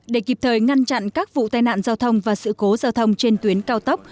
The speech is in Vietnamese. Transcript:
để kịp thời ngăn chặn các vụ tai nạn giao thông và sự cố giao thông trên tuyến cao tốc